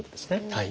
はい。